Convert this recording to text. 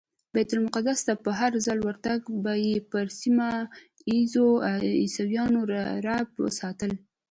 بیت المقدس ته په هرځل ورتګ به یې پر سیمه ایزو عیسویانو رعب ساتل.